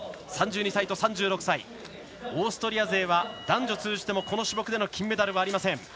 ３２歳と３６歳オーストリア勢は男女通じてもこの種目での金メダルありません。